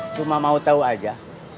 cuma mau tau aja